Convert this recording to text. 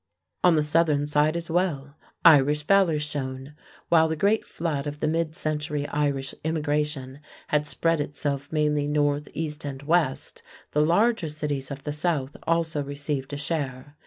On the southern side as well, Irish valor shone. While the great flood of the mid century Irish immigration had spread itself mainly north, east, and west, the larger cities of the South also received a share.